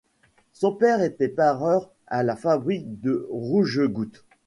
Son père était pareur à la fabrique de Rougegoutte.